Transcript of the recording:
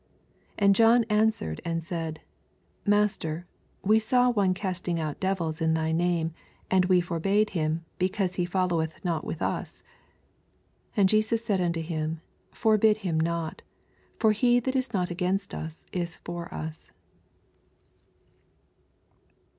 49 And John answered and said. Master, we saw one casting oat devils in thy name ; and we forbi^e him, be cause he followeth not with ns. 50 And Jesus said unto him. Forbid Mm not : for he that is not against us is for us.